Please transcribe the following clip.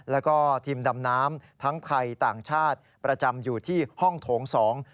แล้วก็ทีมดำน้ำทั้งไทยต่างชาติประจำอยู่ที่ห้องโถงสอง